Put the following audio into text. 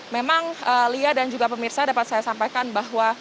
memang lia dan juga pemirsa dapat saya sampaikan bahwa